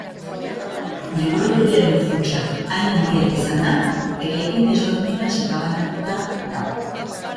Liburutegiaren funtsak hain handiak izanda, eraikin desberdinetan sakabanatuta dago.